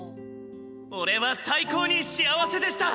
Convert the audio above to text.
俺は最高に幸せでした！